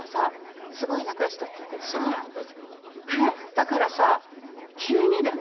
だからさ急にだよ